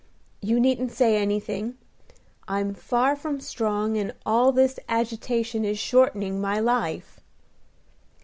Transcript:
You needn't say anything. I'm far from strong, and all this agitation is shortening my life."